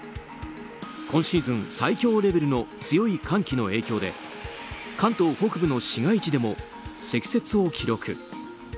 今シーズン最強レベルの強い寒気の影響で関東北部の市街地でも積雪を記録。